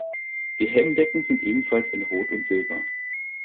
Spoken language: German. Die Helmdecken sind ebenfalls in Rot und Silber.